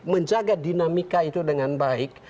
menjaga dinamika itu dengan baik